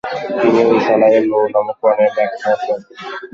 তিনি রিসালায়ে নূর নামক কুরআনের ব্যাখ্যা রচনা করেন।